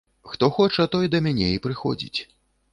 Хто хоча, той да мяне і прыходзіць.